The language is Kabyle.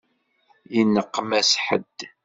Yenneqmas ḥedd?